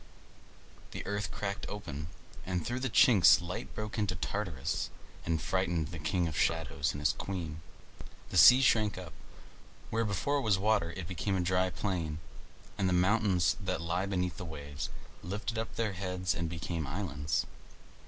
The earth cracked open, and through the chinks light broke into Tartarus, and frightened the king of shadows and his queen. The sea shrank up. Where before was water, it became a dry plain; and the mountains that lie beneath the waves lifted up their heads and became islands.